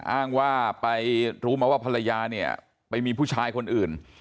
อ้างว่าไปรู้มาว่าภรรยาเนี่ยไปมีผู้ชายคนอื่น